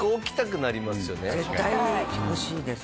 絶対欲しいですね。